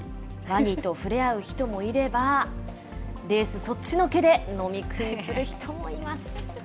ワニと触れ合う人もいれば、レースそっちのけで飲み食いする人もいます。